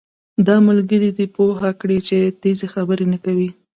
دا ملګری دې پوهه کړه چې تېزي خبرې نه کوي